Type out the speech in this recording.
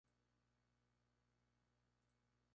Brown, You've Got A Lovely Daughter," "Hold On!